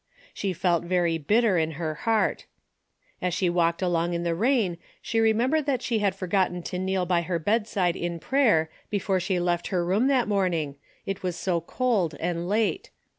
She felt very bitter in her heart. As she Avalked along in the rain, she remem DAILY BATEy 73 bered that she had forgotten to kneel by her bedside in prayer before she left her room that morning, it was so cold and late.